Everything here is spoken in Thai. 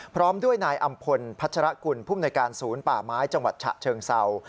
พร้อมด้วยนายอำพลพัชรกุลภูมิในการศูนย์ป่าไม้จังหวัดฉะเชิงเศร้า